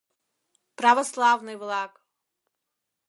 — Православный-влак!